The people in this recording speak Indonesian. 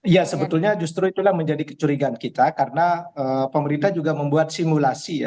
ya sebetulnya justru itulah menjadi kecurigaan kita karena pemerintah juga membuat simulasi ya